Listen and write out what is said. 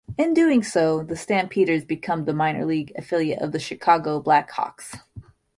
In doing so, the Stampeders became the minor-league affiliate of the Chicago Black Hawks.